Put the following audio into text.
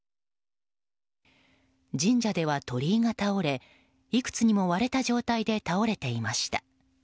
神社では鳥居が倒れいくつも割れた状態で倒れていました。